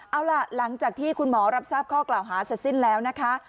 เอาล่ะหลังจากที่คุณหมอรับทราบข้อกล่าวหาเสร็จสิ้นแล้วนะคะ